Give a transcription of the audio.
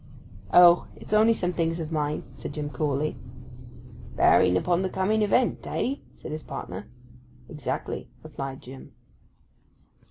'Oh—it's only some things of mine,' said Jim coolly. 'Bearing upon the coming event—eh?' said his partner. 'Exactly,' replied Jim.